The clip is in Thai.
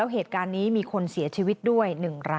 เหตุการณ์นี้มีคนเสียชีวิตด้วย๑ราย